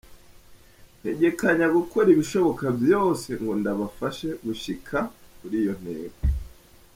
"Ntegekanya gukora ibishoboka vyose ngo ndabafashe gushika kuri iyo ntego.